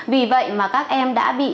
vì vậy mà các em đã bị